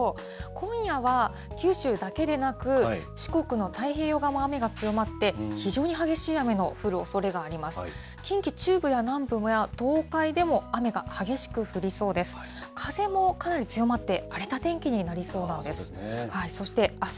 今夜は、九州だけでなく、四国の太平洋側も雨が強まって、非常に激しい雨の降るおそれがあります。